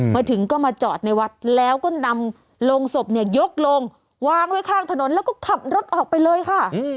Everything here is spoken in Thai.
มาถึงก็มาจอดในวัดแล้วก็นำโรงศพเนี่ยยกลงวางไว้ข้างถนนแล้วก็ขับรถออกไปเลยค่ะ